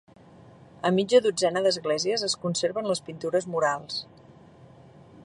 A mitja dotzena d'esglésies es conserven les pintures murals.